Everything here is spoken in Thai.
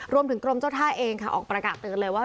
รวมถึงกรมเจ้าท่าเองค่ะออกประกาศเตือนเลยว่า